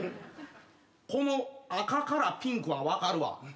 この赤からピンクは分かるわ。